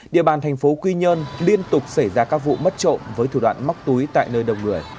địa bàn tp quy nhơn liên tục xảy ra các vụ mất trộm với thủ đoàn móc túi tại nơi đông người